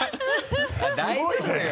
大丈夫よ。